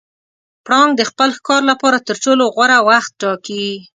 پړانګ د خپل ښکار لپاره تر ټولو غوره وخت ټاکي.